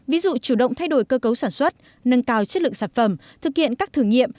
ví dụ chủ động thay đổi cơ cấu sản xuất nâng cao chất lượng sản phẩm thực hiện các thử nghiệm